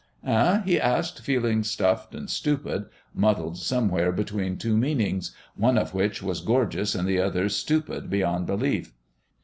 "Eh?" he asked, feeling stuffed and stupid, muddled somewhere between two meanings, one of which was gorgeous and the other stupid beyond belief.